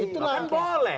itu kan boleh